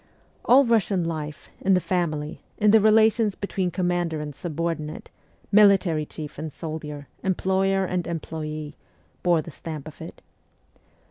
All Eussian life, in the family, in the rela tions between commander and subordinate, military chief and soldier, employer and employee, bore the stamp of it.